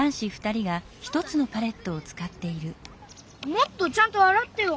もっとちゃんとあらってよ！